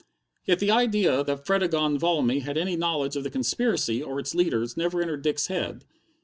Yet the idea that Fredegonde Valmy had any knowledge of the conspiracy or its leaders never entered Dick's head.